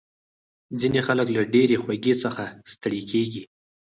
ځینې خلک له ډېرې خوږې څخه ستړي کېږي.